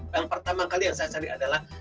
yang pertama kali yang saya cari adalah